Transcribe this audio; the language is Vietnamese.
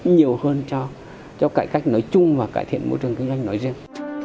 nhiều hơn cho cải cách nói chung và cải thiện môi trường kinh doanh nói riêng